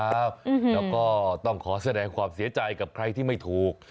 แล้วก็ต้องขอแสดงความเสียใจกับใครที่ไม่ถูก